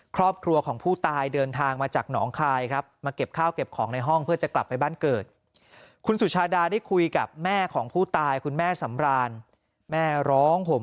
ครอบครัวของผู้ตายเดินทางมาจากหนองคายครับ